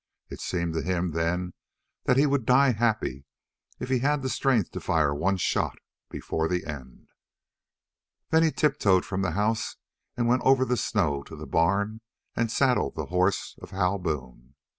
It seemed to him then that he would die happy if he had the strength to fire one shot before the end. Then he tiptoed from the house and went over the snow to the barn and saddled the horse of Hal Boone.